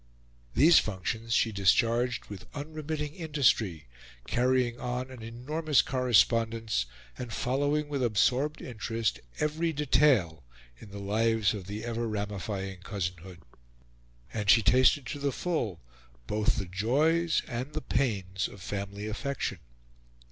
These functions she discharged with unremitting industry, carrying on an enormous correspondence, and following with absorbed interest every detail in the lives of the ever ramifying cousinhood. And she tasted to the full both the joys and the pains of family affection.